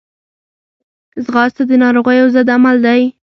ځغاسته د ناروغیو ضد عمل دی